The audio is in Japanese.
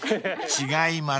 ［違います］